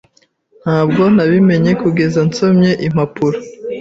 Ntabwo nabimenye kugeza nsomye impapuro.